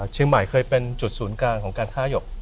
เชียงใหม่เคยเป็นจุดศูนย์กลางของการฆ่าหยก